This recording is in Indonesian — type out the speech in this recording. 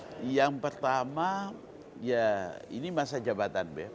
baik yang pertama ya ini masa jabatan beb